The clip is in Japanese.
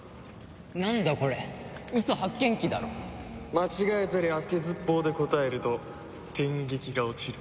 間違えたり当てずっぽうで答えると電撃が落ちる。